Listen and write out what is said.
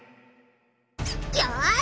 よし！